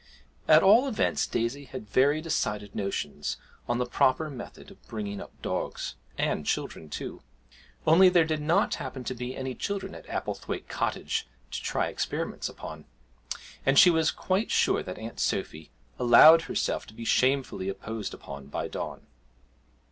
At all events Daisy had very decided notions on the proper method of bringing up dogs, and children too; only there did not happen to be any children at Applethwaite Cottage to try experiments upon; and she was quite sure that Aunt Sophy allowed herself to be shamefully imposed upon by Don.